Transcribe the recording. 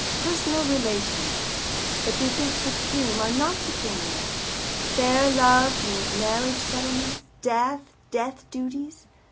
Personal relations, that we think supreme, are not supreme there. There love means marriage settlements, death, death duties.